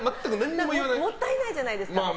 もったいないじゃないですか。